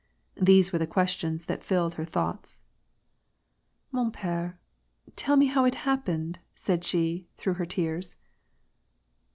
These were the questions tliat filled her thoughts. ^^Monp^re, tell me how it happened?" said she, through her tears.